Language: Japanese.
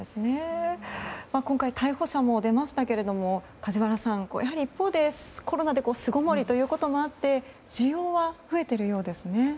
今回、逮捕者も出ましたが梶原さん、やはり一方でコロナで巣ごもりということもあって需要は増えているようですね。